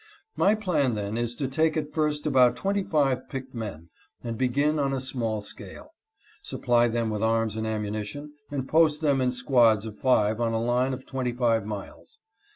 My plan, then, is to take at first about twenty five picked men, and begin on a small scale ; supply them with arms and ammunition and post them in squads of fives on a line of twenty five miles.